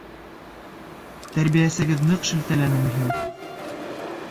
— Тәрбиәсегеҙ ныҡ шелтәләнеме һине?